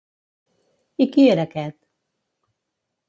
I qui era aquest?